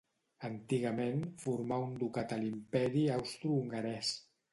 Antigament formà un ducat a l'Imperi Austrohongarès.